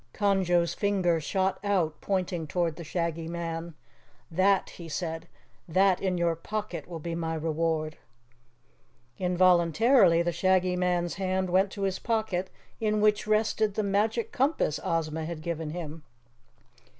Conjo's finger shot out, pointing toward the Shaggy Man. "That," he said. "That in your pocket will be my reward!" Involuntarily the Shaggy Man's hand went to his pocket in which rested the Magic Compass Ozma had given him.